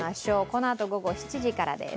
このあと午後７時からです。